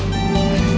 kamu bisa cepetan